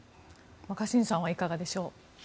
若新さんはいかがでしょう。